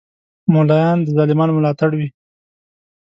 مولایان د ظالمانو ملاتړ وی